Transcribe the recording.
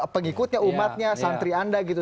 pengikutnya umatnya santri anda gitu